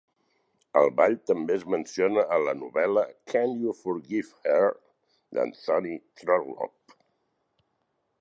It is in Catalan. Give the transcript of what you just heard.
El ball també es menciona a la novel·la "Can You Forgive Her?" d'Anthony Trollope.